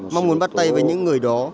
mong muốn bắt tay với những người đó